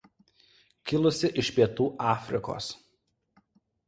Kilusi iš Pietų Afrikos.